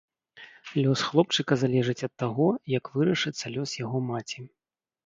Лёс хлопчыка залежыць ад таго, як вырашыцца лёс яго маці.